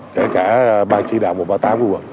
kể cả ban chỉ đạo một trăm ba mươi tám của quận